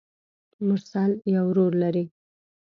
مرسل يو ورور لري.